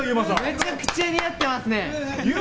めちゃくちゃ似合ってますね。